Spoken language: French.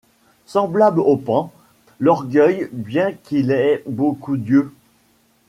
Semblable au paon, l'orgueil, bien qu'il ait beaucoup d'yeux